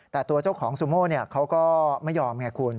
แต่ตัวเจ้าของซูโม่เขาก็ไม่ยอมไงคุณ